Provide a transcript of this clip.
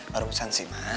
barusan sih ma